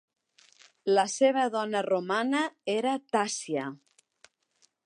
La seva dona romana era Tassia.